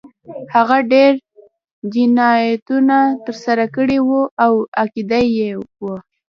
هغه ډېر جنایتونه ترسره کړي وو او عقده اي و